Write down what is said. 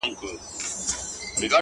که ته نه وې یوه بل ته دښمنان دي-